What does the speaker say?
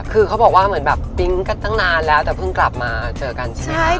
คือเขาบอกว่าเหมือนแบบปิ๊งกันตั้งนานแล้วแต่เพิ่งกลับมาเจอกันใช่ไหม